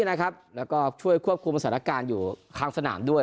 แล้วก็ช่วยควบคุมสถานการณ์อยู่ข้างสนามด้วย